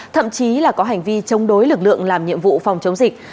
thậm chí là có hành vi chống đối lực lượng làm nhiệm vụ phòng chống dịch